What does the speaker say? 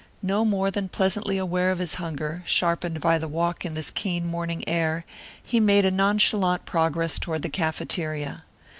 No more than pleasantly aware of his hunger, sharpened by the walk in this keen morning air, he made a nonchalant progress toward the cafeteria.